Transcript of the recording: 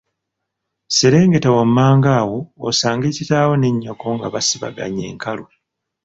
Serengeta wammanga awo osange kitaawo ne nnyoko nga basibaganye enkalu.